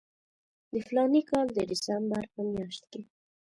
د فلاني کال د ډسمبر په میاشت کې.